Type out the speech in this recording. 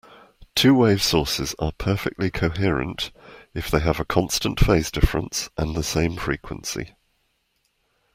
Two-wave sources are perfectly coherent if they have a constant phase difference and the same frequency.